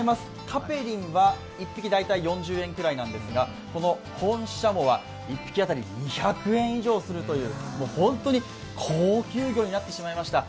カペリンは１匹大体４０円くらいなんですが、この本ししゃもは１匹当たり２００円以上するという本当に高級魚になってしまいました。